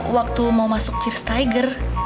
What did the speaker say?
waktu mau masuk cheers tiger